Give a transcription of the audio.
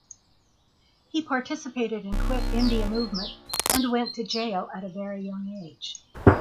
He participated in Quit India Movement and went to jail at very young age.